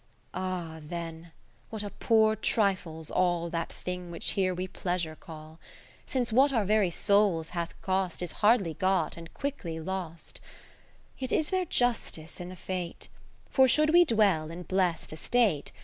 Ill Ah then ! what a poor trifle's all That thing which here we Pleasure call, 1 > Since what our very souls hath cost Is hardly got and quickly lost ! IV Yet is there justice in the fate ; For should we dwell in blest estate.